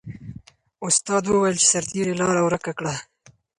استاد وویل چې سرتیري لاره ورکه کړه.